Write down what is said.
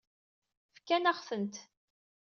Fkan-aɣ-tent.